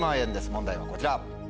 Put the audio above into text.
問題はこちら。